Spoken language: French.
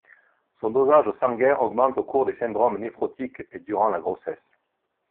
Son dosage sanguin augmente au cours des syndromes néphrotiques et durant la grossesse.